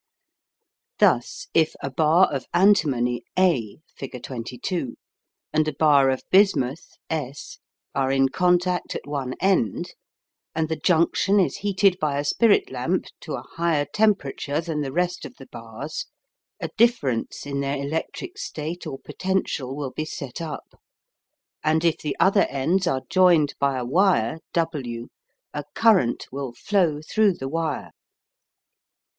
Thus, if a bar of antimony A (fig. 22) and a bar of bismuth S are in contact at one end, and the junction is heated by a spirit lamp to a higher temperature than the rest of the bars, a difference in their electric state or potential will be set up, and if the other ends are joined by a wire W, a current will flow through the wire.